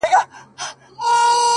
وېريږي نه خو انگازه يې بله ـ